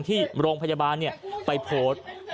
ที่โรงพยาบาลไปโพสต์